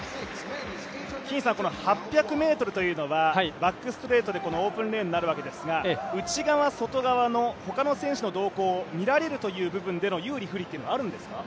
この８００ｍというのはバックストレートでオープンレーンになるわけですが内側、外側の他の選手の動向を見られるということの有利、不利というのはあるんですか？